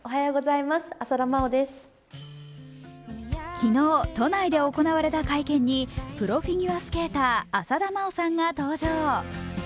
昨日、都内で行われた会見にプロフィギュアスケーター浅田真央さんが登場。